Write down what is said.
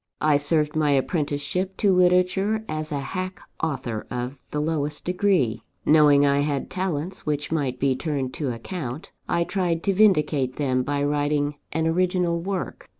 I served my apprenticeship to literature as a hack author of the lowest degree. Knowing I had talents which might be turned to account, I tried to vindicate them by writing an original work.